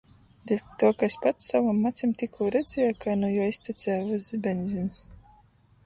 Deļtuo, ka es pats sovom acim tikū redzieju, kai nu juo iztecēja vyss beņzins…